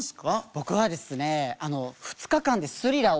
僕はですねえ？